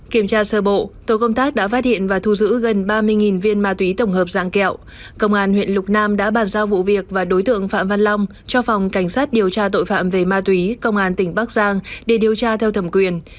kiểm tra sơ bộ tổ công tác đã phát hiện và thu giữ gần ba mươi viên ma túy tổng hợp dạng kẹo công an huyện lục nam đã bàn giao vụ việc và đối tượng phạm văn long cho phòng cảnh sát điều tra tội phạm về ma túy công an tỉnh bắc giang để điều tra theo thẩm quyền